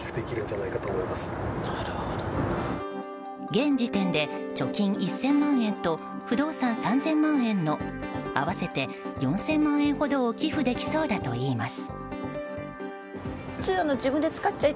現時点で、貯金１０００万円と不動産３０００万円の合わせて４０００万円ほどを寄付できそうだといいます。